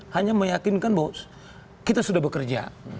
hanya meyakinkan bahwa kita sudah bekerja